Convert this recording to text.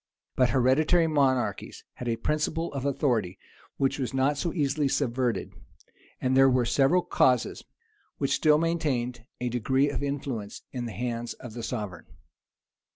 But hereditary monarchies had a principle of authority which was not so easily subverted; and there were several causes which still maintained a degree of influence in the hands of the sovereign.